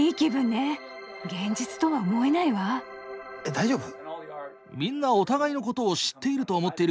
大丈夫？